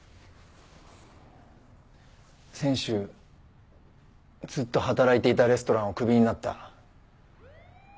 先週ずっと働いていたレストランをクビになった。